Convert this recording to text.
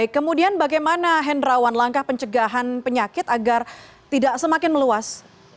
kemudian bagaimana hendrawan langkah pencegahan penyakit agar tidak semakin meluas